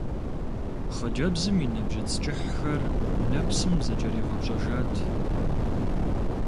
Хъыджэбзым и нэбжьыц кӀыхьхэр нэпсым зэкӀэригъэпщӀэжат.